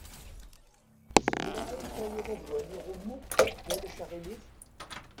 Zemreɣ ad yi-d-tawiḍ ad waliɣ umuɣ, ma ulac aɣilif?